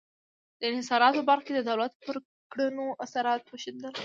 د انحصاراتو په برخه کې د دولت پر کړنو اثرات وښندل.